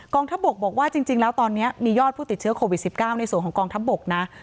กองทะบกบอกว่าจริงจริงแล้วตอนเนี้ยมียอดผู้ติดเชื้อโควิดสิบเก้าในส่วนของกองทะบกนะ